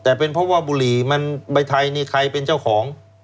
แต่เป็นเพราะว่าบุหรี่มันไหม้ใจในไทยใครเป็นเจ้าของ